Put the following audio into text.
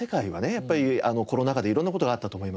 やっぱりコロナ禍でいろんな事があったと思います。